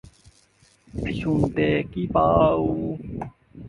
শুনতে কি পাও!